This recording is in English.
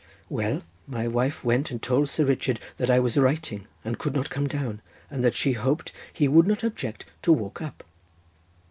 Well, my wife went and told Sir Richard that I was writing, and could not come down, and that she hoped he would not object to walk up.